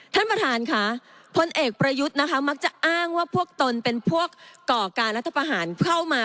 ท่านประธานค่ะพลเอกประยุทธ์นะคะมักจะอ้างว่าพวกตนเป็นพวกก่อการรัฐประหารเข้ามา